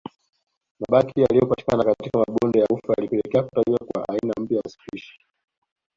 Mabaki yaliyopatikana katika mabonde ya ufa yalipelekea kutajwa kwa aina mpya ya spishi